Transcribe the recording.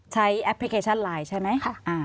แอปพลิเคชันไลน์ใช่ไหม